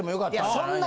そんな。